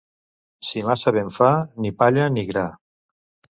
Si massa vent fa, ni palla ni gra.